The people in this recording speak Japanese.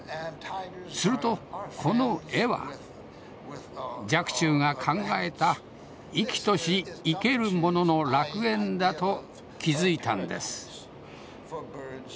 するとこの絵は若冲が考えた生きとし生けるものの楽園だと気づいたんです。